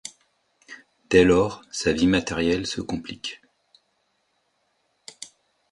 Dès lors, sa vie matérielle se complique.